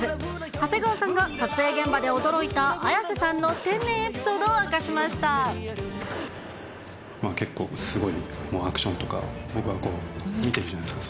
長谷川さんが撮影現場で驚いた綾瀬さんの天然エピソードを明かし結構、すごいもう、アクションとか、僕は見てるじゃないですか。